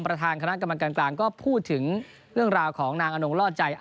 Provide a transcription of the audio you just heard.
ประธานคณะกรรมการกลางก็พูดถึงเรื่องราวของนางอนงล่อใจ